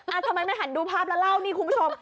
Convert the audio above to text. ทำไมไม่หันดูภาพแล้วเล่านี่คุณผู้ชม